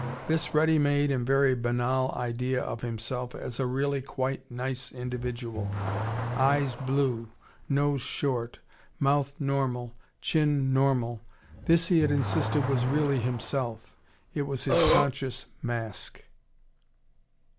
This ready made and very banal idea of himself as a really quite nice individual: eyes blue, nose short, mouth normal, chin normal; this he had insisted was really himself. It was his conscious mask.